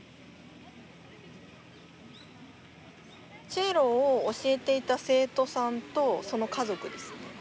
チェロを教えていた生徒さんとその家族です。